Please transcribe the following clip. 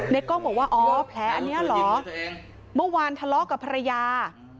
กล้องบอกว่าอ๋อแผลอันนี้เหรอเมื่อวานทะเลาะกับภรรยา